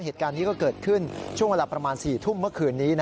เหตุการณ์นี้ก็เกิดขึ้นช่วงเวลาประมาณ๔ทุ่มเมื่อคืนนี้